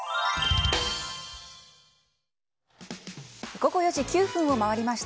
午後４時９分を回りました。